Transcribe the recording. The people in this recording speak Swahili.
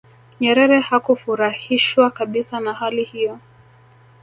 nyerere hakufurahishwa kabisa na hali hiyo